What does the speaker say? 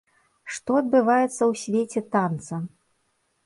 Што адбываецца ў свеце танца?